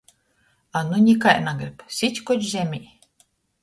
A nu nikai nagrib, sit koč zemē!